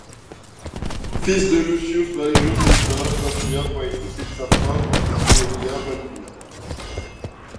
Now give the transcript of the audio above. Fils de Lucius Valerius Messalla Thrasea Paetus et de sa femme Coelia Balbina.